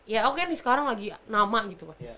ya oke nih sekarang lagi nama gitu